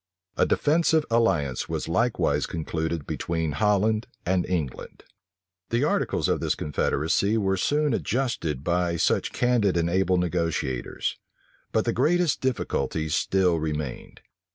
A defensive alliance was likewise concluded between Holland and England. The articles of this confederacy were soon adjusted by such candid and able negotiators: but the greatest difficulty still remained.